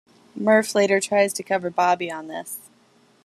Murph later tries to cover Bobby on this.